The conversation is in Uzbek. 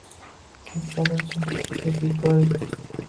Keksalar uchun tibbiy ko‘rik